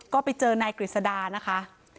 ก็ไปเจอนายกฤษดานะคะ